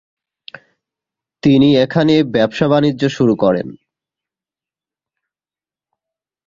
তিনি এখানে ব্যবসা বাণিজ্য শুরু করেন।